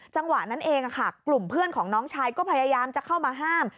จังหวะนั้นเองกลุ่มเพื่อนของน้องชายก็พยายามจะเข้ามาห้าม